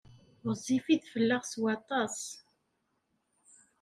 Ɣezzifit fell-aɣ s waṭas.